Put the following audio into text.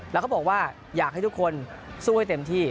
แล้วก็บอกว่าอยากให้ทุกคนสู้ให้เต็มที่